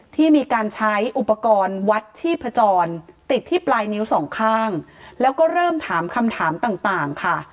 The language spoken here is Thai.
ที่มีการใช้อุปกรณ์วัดชีพจรติดที่ปลายนิ้วสองข้างแล้วก็เริ่มถามคำถามต่างค่ะ